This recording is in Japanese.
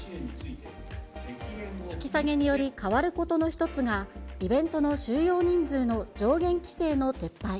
引き下げにより、変わることの１つが、イベントの収容人数の上限規制の撤廃。